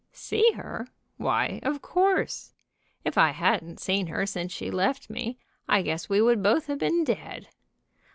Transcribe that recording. "See her! Why, of course. If I hadn't seen her since she left me, I guess we would both have been dead.